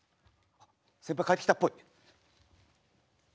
先輩帰ってきたっぽい。